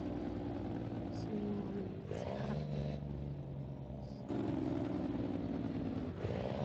심호흡하세요.